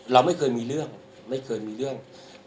เราไม่เคยมีเรื่องไม่เคยมีเรื่อง